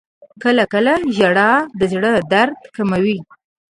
• کله کله ژړا د زړه درد کموي.